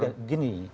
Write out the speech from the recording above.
kita lihat begini